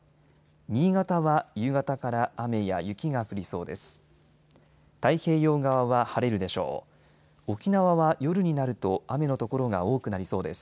新潟は夕方から雨や雪が降りそうです。